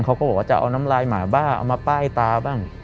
เขาก็บอกว่าจะเอาน้ำลายหมาบ้าเอามาป้ายตาบ้าง